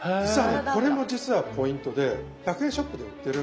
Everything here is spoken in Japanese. これも実はポイントで１００円ショップで売ってるこの入れ物。